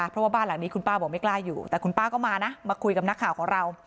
เพราะว่าบ้านหลังนี้คุณป้าบอกไม่กล้าอยู่แต่คุณป้าก็มานะมาคุยกับนักข่าวของเรา